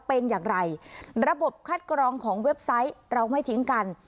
เป็นอย่างไรระบบคัดกรองของเว็บไซต์เราไม่ทิ้งกัน